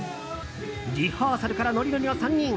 リハーサルからノリノリの３人。